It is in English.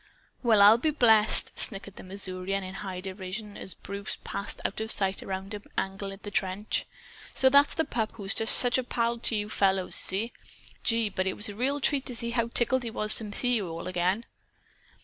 "Well, I'll be blessed!" snickered the Missourian in high derision, as Bruce passed out of sight around an angle of the trench. "So that's the pup who is such a pal of you fellows, is he? Gee, but it was a treat to see how tickled he was to meet you again!"